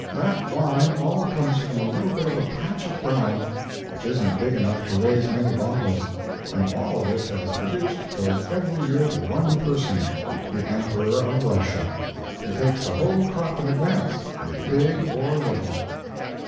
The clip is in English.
That wine all comes from a little bit of a patch of ground which isn't big enough to raise many bottles; and all of it that is produced goes every year to one person the Emperor of Russia. He takes the whole crop in advance, be it big or little."